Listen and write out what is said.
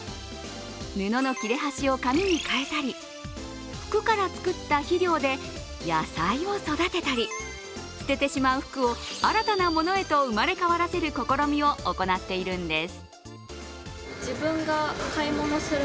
布の切れ端を紙に変えたり服から作った肥料で野菜を育てたり捨ててしまう服を新たなものへと生まれ変わらせる試みを行っているんです。